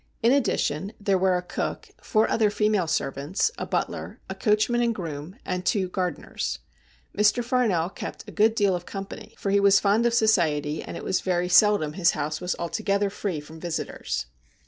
In addition there were a cook, four other female servants, a butler, a coachman and groom, and two gardeners. Mr. Farnell kept a good deal of company, for he was fond of society, and it was very seldom his house was altogether free from visitors.